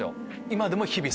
今でも日々。